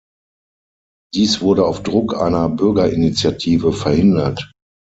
Dies wurde auf Druck einer Bürgerinitiative verhindert.